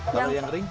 kalau yang kering